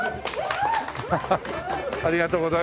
ハハッありがとうございます。